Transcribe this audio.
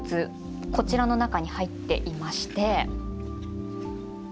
こちらの中に入っていましてこちら。